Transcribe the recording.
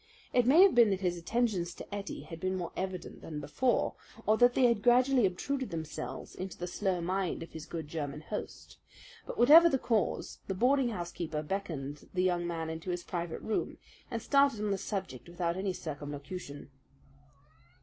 It may have been that his attentions to Ettie had been more evident than before, or that they had gradually obtruded themselves into the slow mind of his good German host; but, whatever the cause, the boarding house keeper beckoned the young man into his private room and started on the subject without any circumlocution.